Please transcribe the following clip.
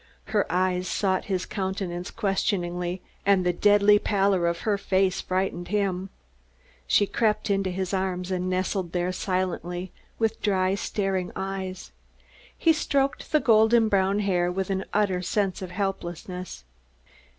Her eyes sought his countenance questioningly, and the deadly pallor of her face frightened him. She crept into his arms and nestled there silently with dry, staring eyes. He stroked the golden brown hair with an utter sense of helplessness.